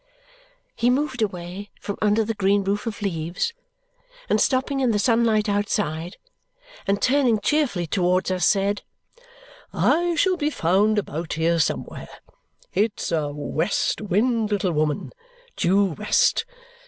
He moved away from under the green roof of leaves, and stopping in the sunlight outside and turning cheerfully towards us, said, "I shall be found about here somewhere. It's a west wind, little woman, due west!